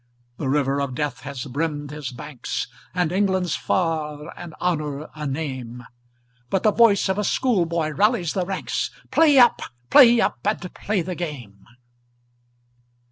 The river of death has brimmed his banks, And England's far, and Honour a name, But the voice of schoolboy rallies the ranks, "Play up! play up! and play the game!"